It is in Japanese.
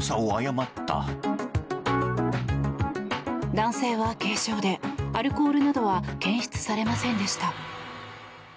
男性は軽傷でアルコールなどは検出されませんでした。